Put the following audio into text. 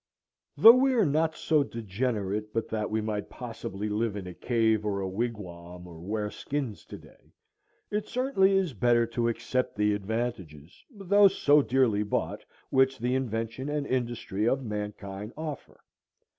Though we are not so degenerate but that we might possibly live in a cave or a wigwam or wear skins today, it certainly is better to accept the advantages, though so dearly bought, which the invention and industry of mankind offer.